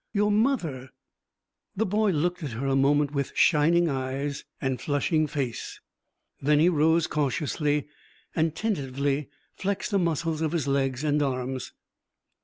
Your mother ' The boy looked at her a moment with shining eyes and flushing face. Then he rose cautiously, and tentatively flexed the muscles of his legs and arms.